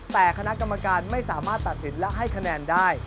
แต่คณะกรรมการไม่สามารถตัดสินและให้คะแนนได้